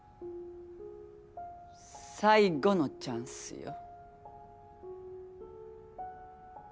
最後のチャンスよ。